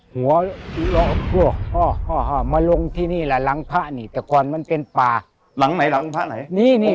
หัวหัวมาลงที่นี่ละหลังผ้านี่แต่ก่อนมันเป็นป่าหลังไหนหลังผ้าไหนนี่นี่